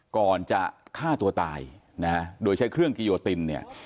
ก่อนจะฆ่าตัวตายนะฮะโดยใช้เครื่องกิโยตินเนี่ย